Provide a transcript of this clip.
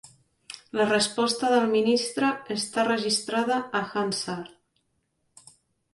La resposta del ministre està registrada a Hansard.